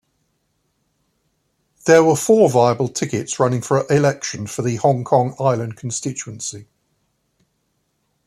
There were four viable tickets running for election for the Hong Kong Island constituency.